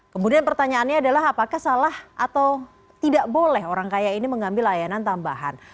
kemudian pertanyaannya adalah apakah salah atau tidak boleh orang kaya ini mengambil layanan tambahan